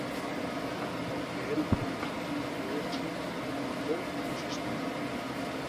Porque él dijo, y fué hecho; El mandó, y existió.